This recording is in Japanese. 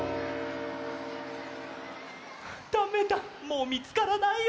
だめだもうみつからないよ。